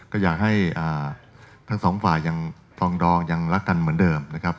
ก็อยากให้ทั้งสองฝ่ายยังฟองดองยังรักกันเหมือนเดิมนะครับ